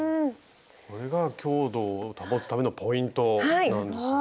これが強度を保つためのポイントなんですね。